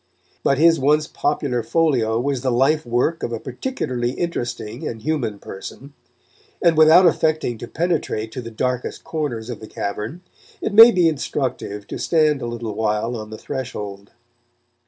But his once popular folio was the life work of a particularly interesting and human person; and without affecting to penetrate to the darkest corners of the cavern, it may be instructive to stand a little while on the threshold.